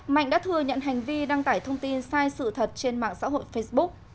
mạnh đã thừa nhận hành vi đăng tải thông tin sai sự thật trên mạng xã hội facebook